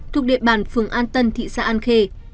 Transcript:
thuộc địa bàn phường an tân thị xã an khê